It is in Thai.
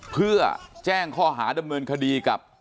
เพื่อแจ้งข้อหาดำเนินคดีกับ